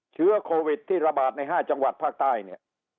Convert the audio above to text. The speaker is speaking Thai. เชื้อโควิดที่ระบาดใน๕จังหวัดภาคใต้เนี่ย